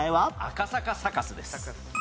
赤坂サカスです。